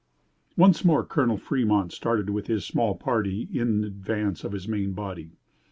Once more Colonel Fremont started with his small party in advance of his main body.